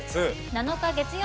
７日月曜。